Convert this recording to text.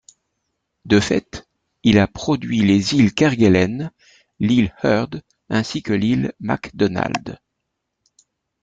De fait, il a produit les îles Kerguelen, l'île Heard ainsi que l'île McDonald.